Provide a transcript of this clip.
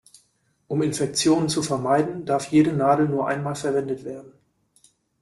Um Infektionen zu vermeiden, darf jede Nadel nur einmal verwendet werden.